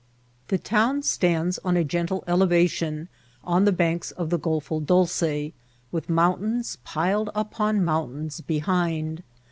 The town stands on a gentle elevation on the banks of the Golfo Dolce, with mountains piled upon mount ains behind.